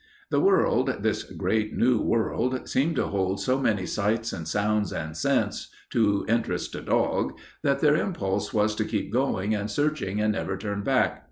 The world, this great, new world, seemed to hold so many sights and sounds and scents to interest a dog that their impulse was to keep going and searching and never turn back.